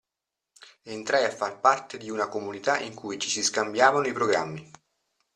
Entrai a far parte di una comunità in cui ci si scambiavano i programmi.